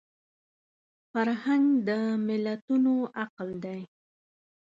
فرهنګ د ملتونو عقل دی